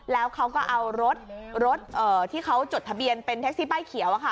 แล้วเขาก็เอารถรถที่เขาจดทะเบียนเป็นแท็กซี่ป้ายเขียว